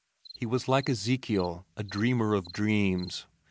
He was like Ezekiel, a dreamer of dreams.